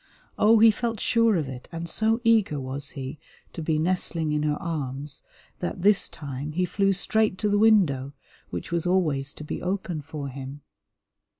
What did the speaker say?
Oh, he felt sure of it, and so eager was he to be nestling in her arms that this time he flew straight to the window, which was always to be open for him.